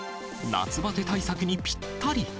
夏ばて対策にぴったり。